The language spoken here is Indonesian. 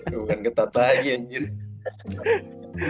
bukan ketat lagi anjir